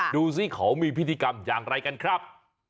ดูสิเขามีพิธีกรรมอย่างไรกันครับ